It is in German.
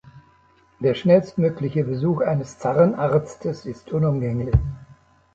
Der schnellstmögliche Besuch eines Zahnarztes ist unumgänglich.